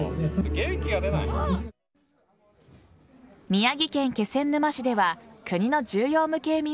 宮城県気仙沼市では国の重要無形民俗